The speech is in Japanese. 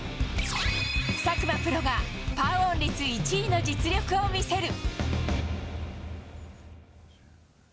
佐久間プロがパーオン率１位の実力を見せる。